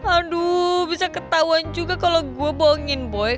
aduh bisa ketahuan juga kalau gue bohongin boy